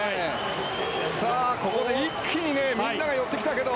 ここで一気にみんなが寄ってきたけど。